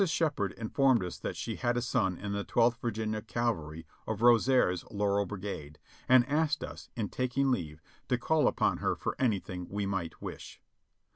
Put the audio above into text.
Sheppard informed us that she had a son in the Twelfth A^irginia Cavalry of Rosser's Laurel Brigade, and asked us, in taking leave, to call upon her for anything we might wish.